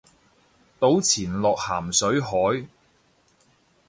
倒錢落咸水海